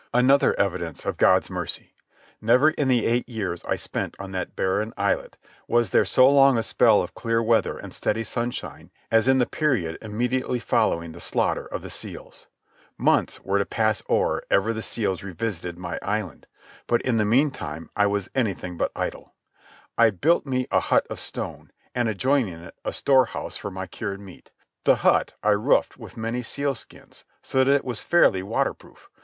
Another evidence of God's mercy; never, in the eight years I spent on that barren islet, was there so long a spell of clear weather and steady sunshine as in the period immediately following the slaughter of the seals. Months were to pass ere ever the seals revisited my island. But in the meantime I was anything but idle. I built me a hut of stone, and, adjoining it, a storehouse for my cured meat. The hut I roofed with many sealskins, so that it was fairly water proof.